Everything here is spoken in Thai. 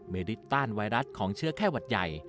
เมริกต้านไวรัสของเชื้อแควดใหญ่